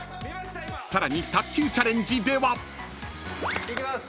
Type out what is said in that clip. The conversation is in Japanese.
［さらに卓球チャレンジでは］いきます！